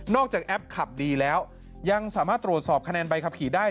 จากแอปขับดีแล้วยังสามารถตรวจสอบคะแนนใบขับขี่ได้